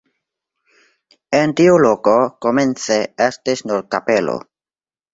En tiu loko komence estis nur kapelo.